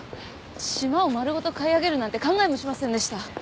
島を丸ごと買い上げるなんて考えもしませんでした。